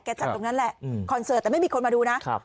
จัดตรงนั้นแหละคอนเสิร์ตแต่ไม่มีคนมาดูนะ